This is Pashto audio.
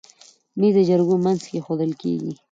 مېز د جرګو منځ کې ایښودل کېږي.